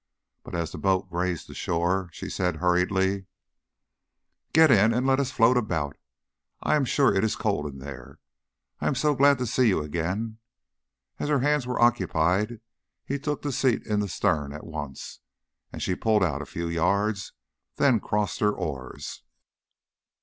But as the boat grazed the shore, she said hurriedly, "Get in and let us float about. I am sure it is cold in there. I am so glad to see you again." As her hands were occupied, he took the seat in the stern at once, and she pulled out a few yards, then crossed her oars.